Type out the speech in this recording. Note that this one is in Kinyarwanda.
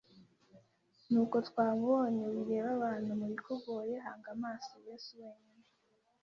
nuko twamubonye, wireba abantu mu bikugoye, hanga amaso Yesu wenyine.